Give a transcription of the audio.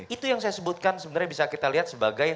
itu yang saya sebutkan sebenarnya bisa kita lihat sebagai